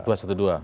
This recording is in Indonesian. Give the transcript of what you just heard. dua satu dua